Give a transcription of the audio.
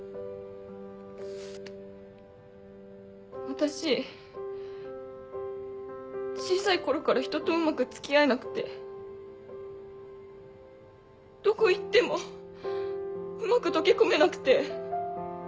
私小さい頃からひととうまく付き合えなくてどこ行ってもうまく溶け込めなくて。